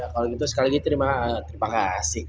kalau gitu sekali lagi terima kasih